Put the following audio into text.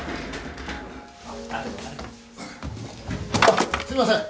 あっすいません。